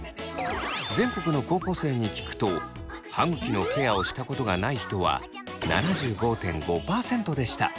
全国の高校生に聞くと歯ぐきのケアをしたことがない人は７５．５％でした。